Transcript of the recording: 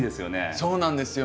そうなんですよ。